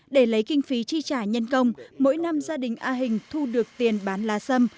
để lấy kinh phí chi trả nhân công mỗi năm gia đình a hình thu được tiền bán lá sâm